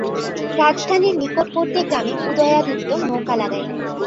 রাজধানীর নিকটবর্তী গ্রামে উদয়াদিত্য নৌকা লাগাইলেন।